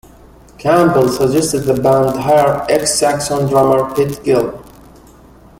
Campbell suggested the band hire ex-Saxon drummer Pete Gill.